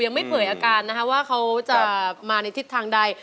ไม่เผยอาการนะคะว่าเขาจะมาในทิศทางใด